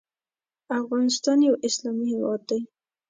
افغانستان یو اسلامی هیواد دی .